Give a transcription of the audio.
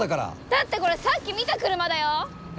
だってこれさっき見た車だよ？